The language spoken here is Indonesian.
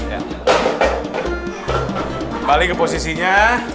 kembali ke posisinya